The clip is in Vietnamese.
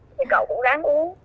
thì cậu cũng ráng uống